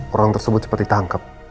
orang tersebut cepat ditangkep